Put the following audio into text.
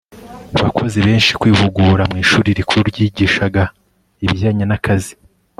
bakozi benshi, kwihugura mu ishuri rikuru ryigishaga ibijyanye n'akazi